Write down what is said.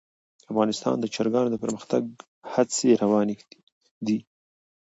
افغانستان کې د چرګانو د پرمختګ هڅې روانې دي.